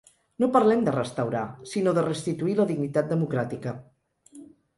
No parlem de restaurar, sinó de restituir la dignitat democràtica.